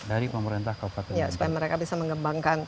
dari pemerintah kabupaten nganjuk